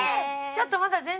ちょっとまだ。